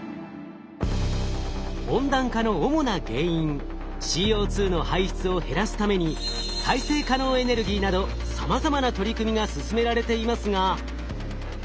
温暖化の主な原因ＣＯの排出を減らすために再生可能エネルギーなどさまざまな取り組みが進められていますが。